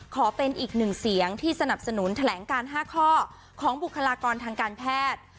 ขอเป็นอีกหนึ่งเสียงที่สนับสนุนแถลงการ๕ข้อของบุคลากรทางการแพทย์